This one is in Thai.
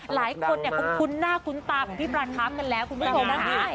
หลายคนเนี่ยคุ้มคุ้นหน้าคุ้นตาของพี่ปราคาร์ฟกันแล้วคุณผู้ชมค่ะ